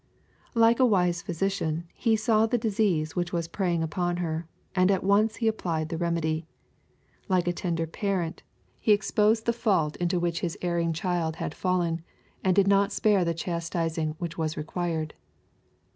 Like a wise physi(;ian He saw the disease which was preying upon her, and at once applied the remedy. Like a tender parent. He exposed the fault into which His LTJEE; CHAP. X* 887 erring child had fallen, and did not spare the chasten ing which was required.